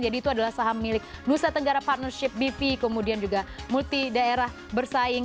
jadi itu adalah saham milik nusa tenggara partnership bv kemudian juga multi daerah bersaing